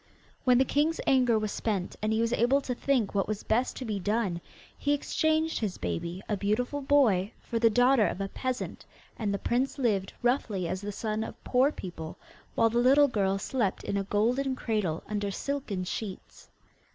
When the king's anger was spent, and he was able to think what was best to be done, he exchanged his baby, a beautiful boy, for the daughter of a peasant, and the prince lived roughly as the son of poor people, while the little girl slept in a golden cradle, under silken sheets.